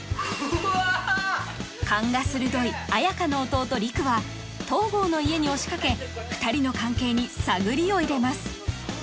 勘が鋭い綾華の弟陸は東郷の家に押しかけ二人の関係に探りを入れます